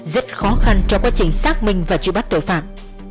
rất khó khăn cho quá trình xác minh và trụ bắt tội phạm